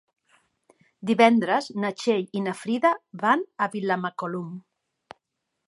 Divendres na Txell i na Frida van a Vilamacolum.